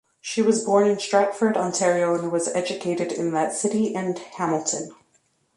She was born in Stratford, Ontario, and was educated in that city and Hamilton.